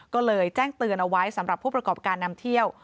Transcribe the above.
ก็เลยแจ้งเตือนเอาไว้สำหรับผู้ประกอบการนำเที่ยว